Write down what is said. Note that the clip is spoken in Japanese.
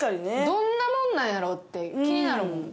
どんなもんなんやろって気になるもん。